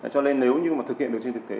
cho nên nếu như mà thực hiện được trên thực tế